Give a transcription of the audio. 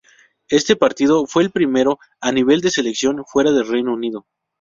Este partido fue el primero a nivel de selecciones fuera del Reino Unido.